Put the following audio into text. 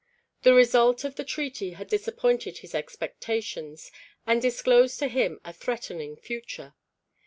The result of the treaty had disappointed his expectations, and disclosed to him a threatening future.